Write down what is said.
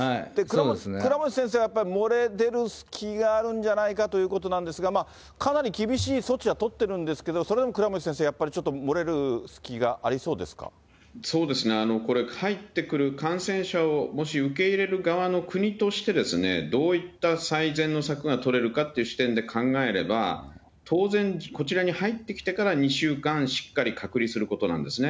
倉持先生は漏れ出る隙があるんじゃないかということですが、かなり厳しい措置は取ってるんですけれども、それでも倉持先生、やっそうですね、これ、入ってくる、感染者を、もし受け入れる側の国として、どういった最善の策が取れるかっていう視点で考えれば、当然、こちらに入ってきてから２週間しっかり隔離することなんですね。